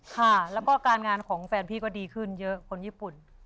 ค่ะแล้วก็การงานของแฟนพี่ก็ดีขึ้นเยอะคนญี่ปุ่น